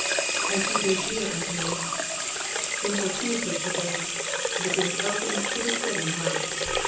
^*And he gave ear unto wi^." Importunity prevailed. The gate opened to the steady knock.